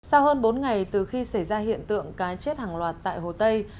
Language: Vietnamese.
sau hơn bốn ngày từ khi xảy ra hiện tượng cá chết hàng loạt tại hồ tây